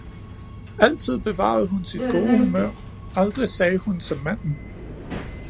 Altid bevarede hun sit gode humør, aldrig sagde hun som manden